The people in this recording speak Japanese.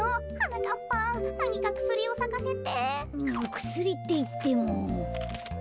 くすりっていっても。